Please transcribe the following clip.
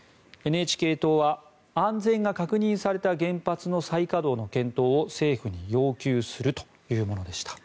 ＮＨＫ党は、安全が確認された原発の再稼働の検討を政府に要求するというものでした。